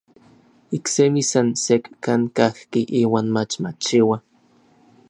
Iksemi san sekkan kajki iuan mach machiua.